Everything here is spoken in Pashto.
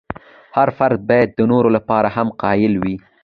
هر فرد باید د نورو لپاره هم قایل وي.